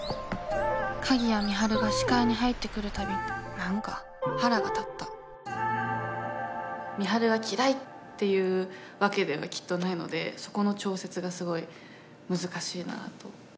鍵谷美晴が視界に入ってくるたび何か腹が立った美晴が嫌いっていうわけではきっとないのでそこの調節がすごい難しいなと。